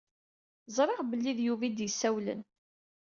Ẓṛiɣ belli d Yuba i d-isawlen.